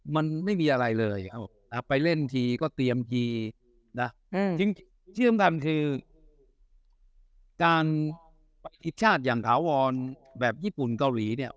มันไม่มีอะไรเลยไปเล่นทีก็เตรียมทีนะที่สำคัญคือการผิดชาติอย่างถาวรแบบญี่ปุ่นเกาหลีเนี่ย